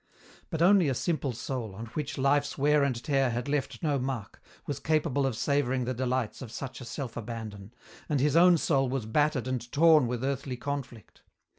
But only a simple soul, on which life's wear and tear had left no mark, was capable of savouring the delights of such a self abandon, and his own soul was battered and torn with earthly conflict.